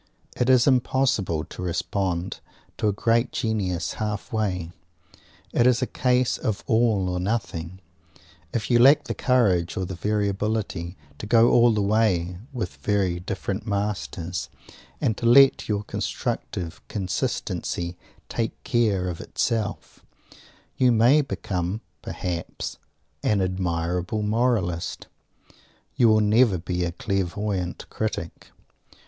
It is impossible to respond to a great genius halfway. It is a case of all or nothing. If you lack the courage, or the variability, to go all the way with very different masters, and to let your constructive consistency take care of itself, you may become, perhaps, an admirable moralist; you will never be a clairvoyant critic.